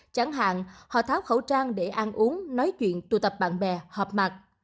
chẳng hạn họ tháo khẩu trang để ăn uống nói chuyện tụ tập bạn bè họp mặt